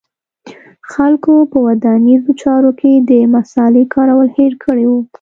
خلکو په ودانیزو چارو کې د مصالې کارول هېر کړي و